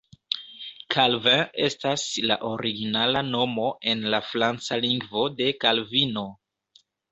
Calvin estas la originala nomo en la franca lingvo de Kalvino.